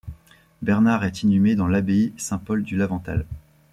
Bernard est inhumé dans l'Abbaye Saint-Paul du Lavanttal.